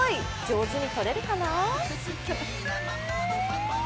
上手に取れるかな？